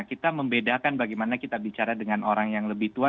kita membedakan bagaimana kita bicara dengan orang yang lebih tua